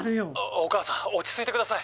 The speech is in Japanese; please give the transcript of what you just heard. ⁉お義母さん落ち着いてください。